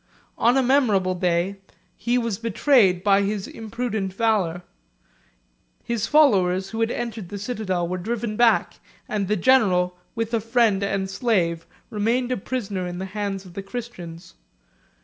On a memorable day, he was betrayed by his imprudent valor: his followers who had entered the citadel were driven back; and the general, with a friend and slave, remained a prisoner in the hands of the Christians.